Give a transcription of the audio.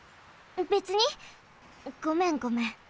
べつにごめんごめん。